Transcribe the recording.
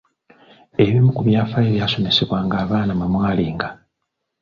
Ebimu ku byafaayo ebyasomesebwanga abaana mwe mwalinga